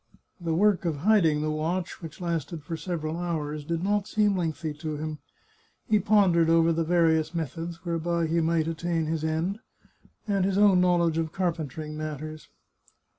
The work of hiding the watch, which lasted for several hours, did not seem lengthy to him. He pondered over the various methods whereby he might attain his end, and his own knowledge of carpentering matters.